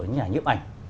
nhà nhiễm ảnh